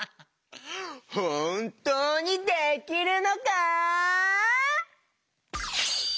ほんとうにできるのか？